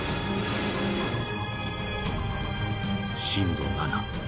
震度７。